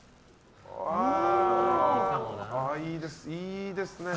ああ、いいですね。